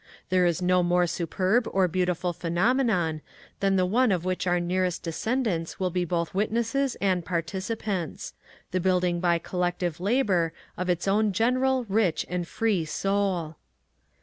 There is no more superb or beautiful phenomenon than the one of which our nearest descendants will be both witnesses and participants: The building by collective Labour of its own general, rich and free soul.